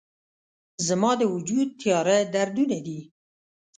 زما د وجود تیاره دردونه دي